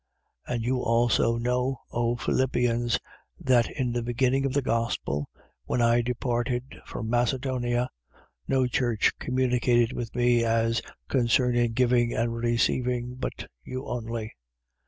4:15. And you also know, O Philippians, that in the beginning of the gospel, when I departed from Macedonia, no church communicated with me as concerning giving and receiving, but you only.